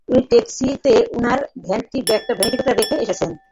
উনি ট্যাক্সিতে উনার ভ্যানিটি ব্যাগটা রেখে এসেছেন!